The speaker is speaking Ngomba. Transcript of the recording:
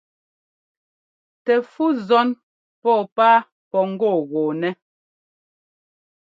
Tɛ fú zɔ́n pɔ́ɔ páa pɔ́ ŋ́gɔ́ɔgɔ́ɔnɛ́.